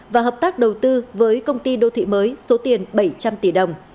và hợp tác đầu tư với công ty đô thị mới số tiền bảy trăm linh tỷ đồng